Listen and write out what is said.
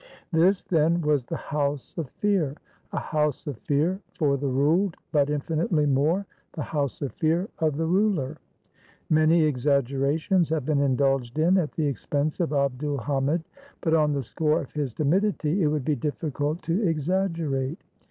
This, then, was the House of Fear — a House of Fear for the ruled, but infinitely more the House of Fear of 529 TURKEY the ruler. Many exaggerations have been indulged in at the expense of Abd ul Hamid, but, on the score of his timidity, it would be difficult to exaggerate.